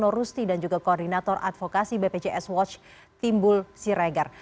norusti dan juga koordinator advokasi bpjs watch timbul siregar